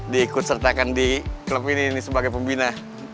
diikut sertakan di klub ini sebagai pembina